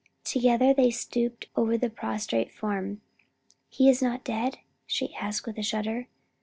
Together they stooped over the prostrate form. "He is not dead?" she asked with a shudder.